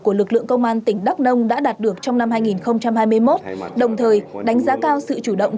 của lực lượng công an tỉnh đắk nông đã đạt được trong năm hai nghìn hai mươi một đồng thời đánh giá cao sự chủ động